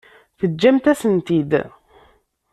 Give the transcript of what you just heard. Teǧǧamt-asen-t-id.